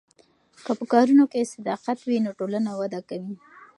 که په کارونو کې صداقت وي نو ټولنه وده کوي.